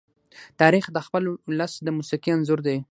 تاریخ د خپل ولس د موسیقي انځور دی.